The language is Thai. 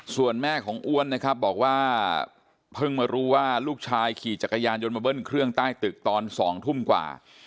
ส่วนแม่ของอ้วนนะครับบอกว่าเพิ่งมารู้ว่าลูกชายขี่จักรยานยนต์มาเบิ้ลเครื่องใต้ตึกตอน๒ทุ่มกว่า